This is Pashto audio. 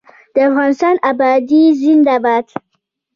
د افغانستان ابادي زنده باد.